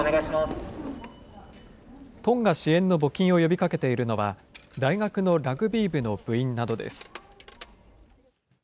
トンガ支援の募金を呼びかけているのは、大学のラグビー部の部員などです。